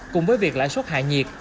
cùng với việc lãi suất hạ nhiệt